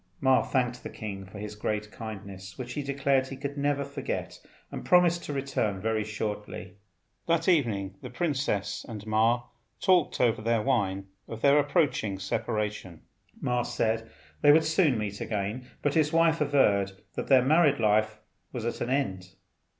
Ma thanked the king for his great kindness, which he declared he could never forget, and promised to return very shortly. That evening the princess and Ma talked over their wine of their approaching separation. Ma said they would soon meet again; but his wife averred that their married life was at an end.